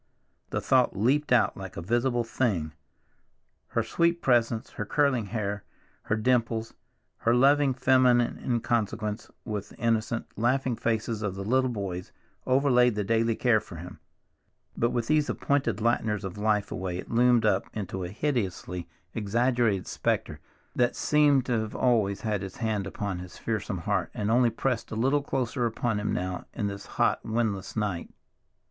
The thought leaped out like a visible thing. Her sweet presence, her curling hair, her dimples, her loving feminine inconsequence, with the innocent, laughing faces of the little boys, overlaid the daily care for him, but with these appointed Lighteners of Life away it loomed up into a hideously exaggerated specter that seemed to have always had its hand upon his fearsome heart, and only pressed a little closer upon him now in this hot windless night.